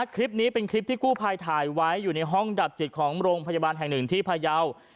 คลิปนี้เป็นคลิปที่กู้ภัยถ่ายไว้อยู่ในห้องดับจิตของโรงพยาบาลแห่งหนึ่งที่พยาว